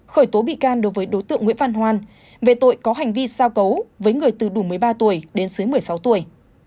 khởi tố bị can đối với đối tượng nguyễn văn hoan về tội có hành vi sao cấu với người từ đủ một mươi ba tuổi đến dưới một mươi sáu tuổi